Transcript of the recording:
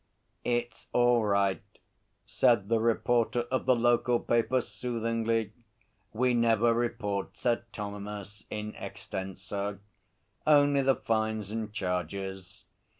'It's all right,' said the reporter of the local paper soothingly. 'We never report Sir Thomas in extenso. Only the fines and charges.'